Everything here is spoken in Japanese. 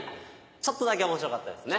ちょっとだけ面白かったですね。